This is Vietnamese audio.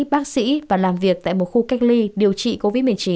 bác sĩ và làm việc tại một khu cách ly điều trị covid một mươi chín